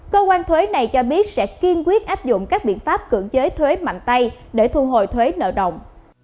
cơ quan thuế này cho biết sẽ kiên quyết áp dụng các biện pháp cưỡng chế thuế mạnh tay để thu hồi thuế nợ động